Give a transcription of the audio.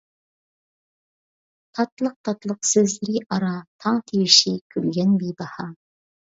تاتلىق-تاتلىق سۆزلىرى ئارا تاڭ تىۋىشى كۈلگەن بىباھا.